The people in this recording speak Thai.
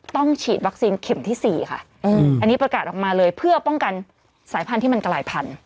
ฉีดวัคซีนเข็มที่๔ค่ะอันนี้ประกาศออกมาเลยเพื่อป้องกันสายพันธุ์ที่มันกลายพันธุ